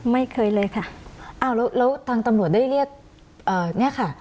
ไม่เคยเลยค่ะอ้าวแล้วแล้วทางตำรวจได้เรียกเอ่อเนี่ยค่ะ